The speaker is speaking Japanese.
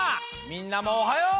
みんなもおはよう！